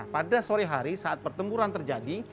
pada sore hari saat pertempuran terjadi